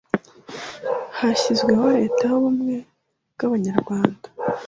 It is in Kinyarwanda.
hashyizweho Leta y’Ubumwe bw’Abanyarwanda.